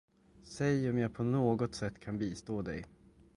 Säg om jag på något sätt kan bistå dig!